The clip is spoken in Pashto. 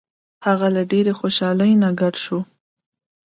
هغه له ډیرې خوشحالۍ نه ګډ شو.